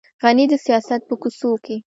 غني د سیاست په کوڅو کې.